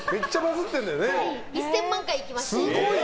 １０００万回いきました。